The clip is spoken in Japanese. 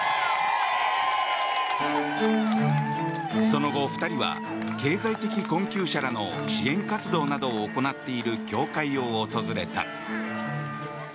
その後、２人は経済的困窮者らの支援活動などを行っている教会を訪れた。